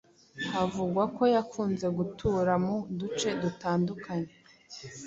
havugwa ko yakunze gutura mu duce dutandukanye